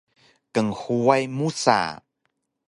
Knhuway musa